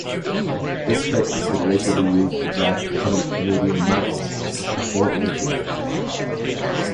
This pick would later be used to draft current Canadien Max Pacioretty.